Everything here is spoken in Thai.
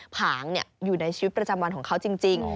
ผางอยู่ในชีวิตประจำวันของเขาจริง